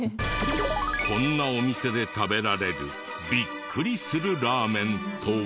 こんなお店で食べられるビックリするラーメンとは？